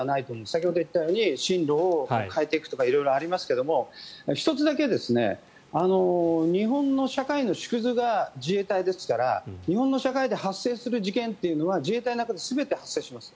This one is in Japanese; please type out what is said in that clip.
先ほど言ったように進路を変えていくとか色々ありますが１つだけ、日本の社会の縮図が自衛隊ですから日本の社会で発生する事件というのは自衛隊の中で全て発生します。